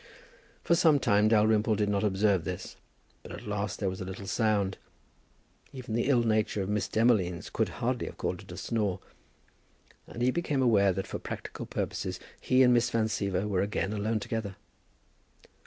For some time Dalrymple did not observe this; but at last there was a little sound, even the ill nature of Miss Demolines could hardly have called it a snore, and he became aware that for practical purposes he and Miss Van Siever were again alone together.